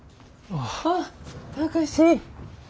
ああ貴司。